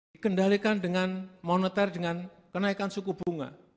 dikendalikan dengan moneter dengan kenaikan suku bunga